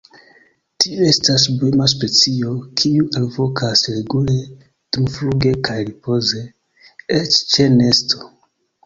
Tiu estas bruema specio, kiu alvokas regule dumfluge kaj ripoze, eĉ ĉe nesto.